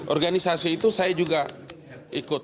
organisasi itu saya juga ikut